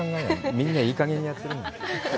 みんないいかげんにやってるから。